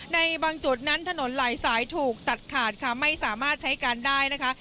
ในบางจุดนั้นถนนหลายสายถูกตัดขาดค่ะไม่สามารถใช้การได้นะคะ